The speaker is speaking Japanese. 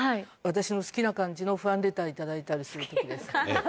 私の好きな感じのファンレター頂いたりすることです。